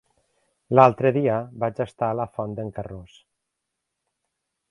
L'altre dia vaig estar a la Font d'en Carròs.